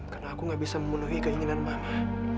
karena aku gak bisa memenuhi keinginan mama